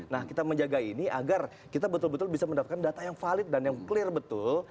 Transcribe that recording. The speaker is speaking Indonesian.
nah kita menjaga ini agar kita betul betul bisa mendapatkan data yang valid dan yang clear betul